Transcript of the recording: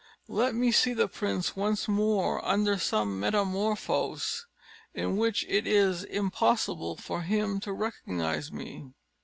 "Let me see the prince once more, under some metamorphose in which it is impossible for him to recognise me."